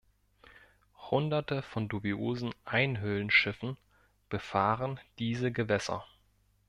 Hunderte von dubiosen Einhüllen-Schiffen befahren diese Gewässer.